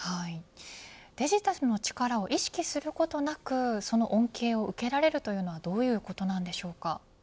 デジタルの力を意識することなくその恩恵を受けられるというのはどういうことなんでしょうか。